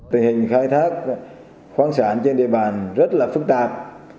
tình hình khai thác khoáng sản trên địa bàn rất là phức tạp